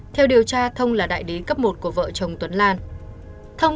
theo điều tra thông là đại đến cấp một của vợ chồng tuấn lan